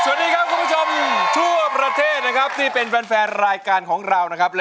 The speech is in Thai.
สวัสดีครับคุณผู้ชมทั่วประเทศนะครับที่เป็นแฟนรายการของเรานะครับ